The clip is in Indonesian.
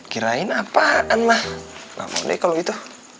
kirain apaan ma gak apa apa deh kalau itu